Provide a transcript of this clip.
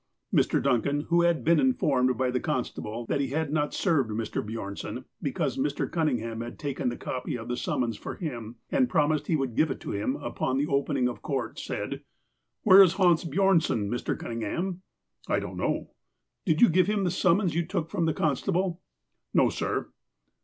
Mr. Duncan, who had been informed by the constable that he had not served Mr. Bjornson, because Mr. Cun ningham had taken the copy of the summons for him, and promised he would give it to him, upon the opening of court, said :" Where is Hans Bjornson, Mr. Cunningham?" "I don't know." " Did you give him the summons you took from the constable!" ''No, sir."